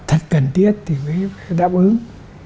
thật cần thiết thì mới đáp ứng